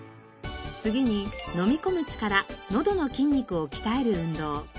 次に飲み込む力のどの筋肉を鍛える運動。